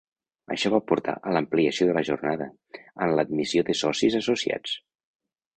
Això va portar a l'ampliació de la jornada, amb l'admissió de socis associats.